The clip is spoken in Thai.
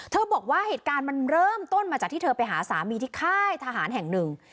บอกว่าเหตุการณ์มันเริ่มต้นมาจากที่เธอไปหาสามีที่ค่ายทหารแห่งหนึ่ง